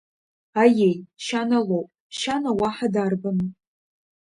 Аиеи, Шьана лоуп, Шьана, уаҳа дарбану?